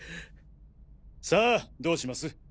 さあどうします。